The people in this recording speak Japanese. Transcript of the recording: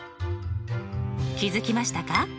気付きましたか？